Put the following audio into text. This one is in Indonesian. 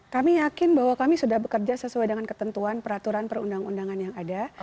kami yakin bahwa kami sudah bekerja sesuai dengan ketentuan peraturan perundang undangan yang ada